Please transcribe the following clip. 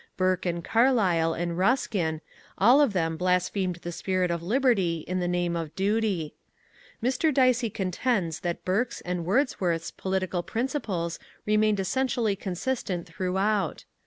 Burke and Carlyle and Ruskin all of them blasphemed the spirit of liberty in the name of duty. Mr. Dicey contends that Burke's and Wordsworth's political principles remained essentially consistent throughout.